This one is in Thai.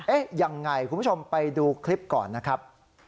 ยังไงคุณผู้ชมไปดูคลิปก่อนนะครับ